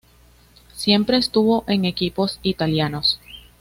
Siempre estuvo en equipos italianos.